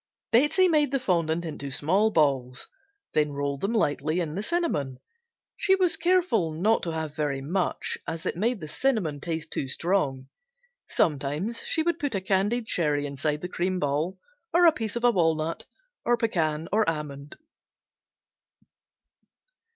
Betsey made the fondant into small balls, then rolled them lightly in the cinnamon. She was careful not to have very much as it made the cinnamon taste too strong. Sometimes she would put a candied cherry inside the cream ball, or a piece of a walnut, or pecan or almond.